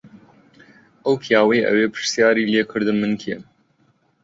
ئەو پیاوەی ئەوێ پرسیاری لێ کردم من کێم.